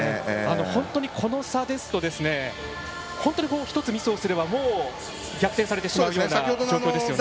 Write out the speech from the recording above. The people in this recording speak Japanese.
本当にこの差ですと１つミスをすれば逆転されてしまうような状況ですね。